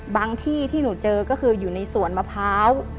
ที่ที่หนูเจอก็คืออยู่ในสวนมะพร้าว